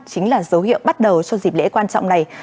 chính là dấu hiệu bắt đầu cho dịp lễ quan trọng này